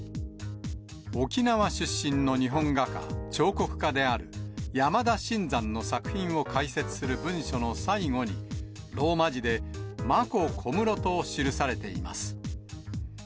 沖縄出身の日本画家、彫刻家である山田真山の作品を解説する文書の最後に、ローマ字でマココムロと記されています。